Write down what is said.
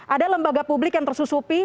ada lembaga publik yang tersusupi